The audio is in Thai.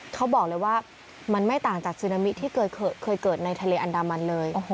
เขาบอกเลยว่ามันไม่ต่างจากซึนามิที่เคยเกิดในทะเลอันดามันเลย